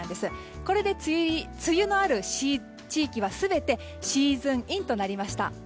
これで梅雨のある地域は全てシーズンインとなりました。